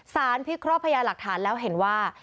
สารพิครอบพญาหลักฐานแล้วเห็นว่า